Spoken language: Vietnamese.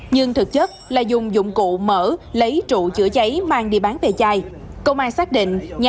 nhưng thực chất là dùng dụng cụ mở lấy trụ chữa cháy mang đi bán ve chai